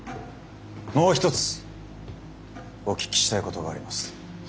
もう一つお聞きしたいことがあります。